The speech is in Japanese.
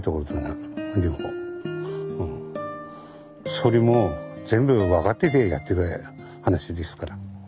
それも全部分かっててやってる話ですから。